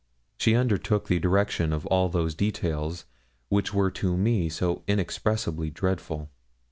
She undertook the direction of all those details which were to me so inexpressibly dreadful.